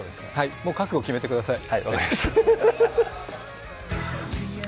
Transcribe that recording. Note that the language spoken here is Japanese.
もう覚悟を決めてください。